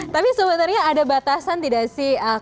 tapi sebenarnya ada batasan tidak sih